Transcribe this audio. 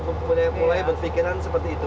mulai berpikiran seperti itu